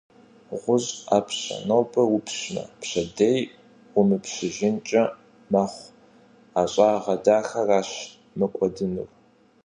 ГъущӀ Ӏэпщэ, нобэ упщмэ, пщэдей умыпщыжынкӀэ мэхъу. Ӏэщагъэ дахэращ мыкӀуэдынур!